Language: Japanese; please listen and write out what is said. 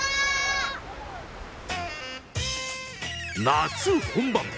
夏本番。